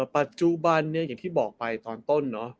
ปัจจุบันอย่างที่บอกไปตอนต้นเนอะ